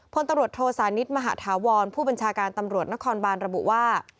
พลตำรวจโทสานิทมหาธาวรผู้บัญชาการตำรวจนครบานระบุว่า